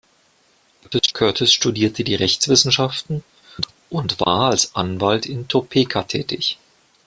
Curtis studierte die Rechtswissenschaften und war als Anwalt in Topeka tätig.